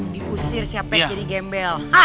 diusir siapa yang jadi gembel